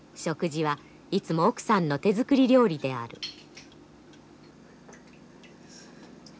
食事はいつも奥さんの手作り料理である。